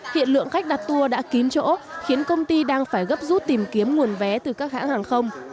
hiện lượng khách đặt tour đã kín chỗ khiến công ty đang phải gấp rút tìm kiếm nguồn vé từ các hãng hàng không